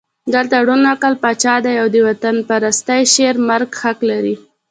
دلته ړوند عقل پاچا دی او د وطنپرستۍ شعر مرګ حق لري.